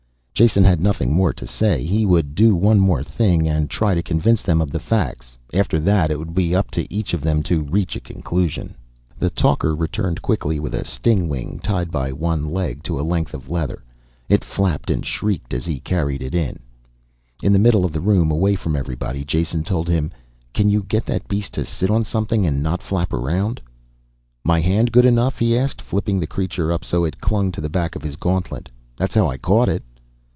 Jason had nothing more to say. He would do one more thing to try and convince them of the facts, after that it would be up to each of them to reach a conclusion. The talker returned quickly with a stingwing, tied by one leg to a length of leather. It flapped and shrieked as he carried it in. "In the middle of the room, away from everybody," Jason told him. "Can you get that beast to sit on something and not flap around?" "My hand good enough?" he asked, flipping the creature up so it clung to the back of his gauntlet. "That's how I caught it."